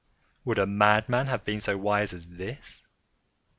—would a madman have been so wise as this?